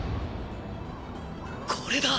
これだ！